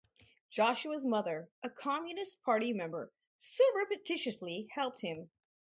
Joshua's mother, a Communist party member, surreptitiously helped him.